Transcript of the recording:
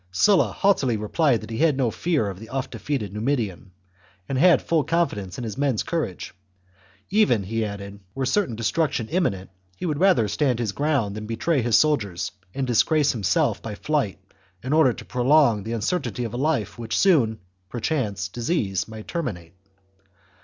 Sulla haughtily replied that he had no fear of the oft defeated Numidian, and had full confidence in his men's courage ; even, he added, were certain de struction imminent, he would rather stand his ground than betray his soldiers and disgrace himself by flight in order to prolong the uncertainty of a life which soon, perchance, disease might terminate.